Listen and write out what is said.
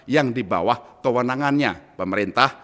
yang di bawah kewenangannya pemerintah